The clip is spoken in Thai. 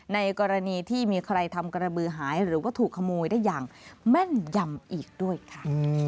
ในกรณีที่มีใครทำกระบือหายหรือว่าถูกขโมยได้อย่างแม่นยำอีกด้วยค่ะ